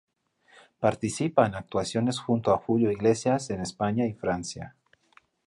Participa en actuaciones junto a Julio Iglesias en España y Francia.